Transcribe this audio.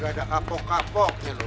baga ada apok apoknya lo